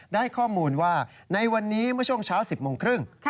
ได้ข้อมูลว่าในวันนี้เมื่อช่วงเช้า๑๐โมงครึ่ง